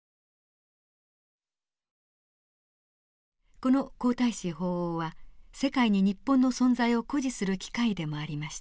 この皇太子訪欧は世界に日本の存在を誇示する機会でもありました。